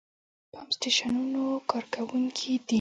پمپ سټېشنونو کارکوونکي دي.